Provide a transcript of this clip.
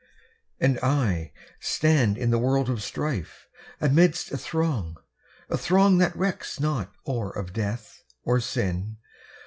And I, Stand in the world of strife, amidst a throng, A throng that recks not or of death, or sin!